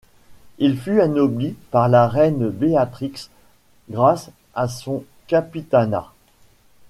Il fut anobli par la Reine Beatrix grâce à son capitanat.